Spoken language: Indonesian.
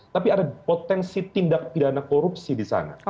tapi ada potensi tindak pidana korupsi di sana